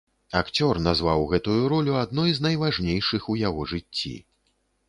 Акцёр назваў гэтую ролю адной з найважнейшых у яго жыцці.